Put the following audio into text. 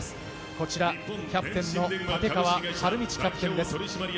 こちらキャプテンの立川理道キャプテンです。